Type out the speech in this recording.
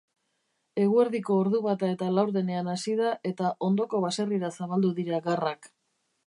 Eguerdiko ordubata eta laurdenean hasi da eta ondoko baserrira zabaldu dira garrak.